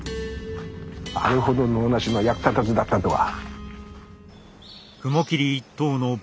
あれほど能なしの役立たずだったとは。